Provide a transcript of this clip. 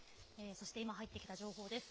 そして、今入ってきた情報です。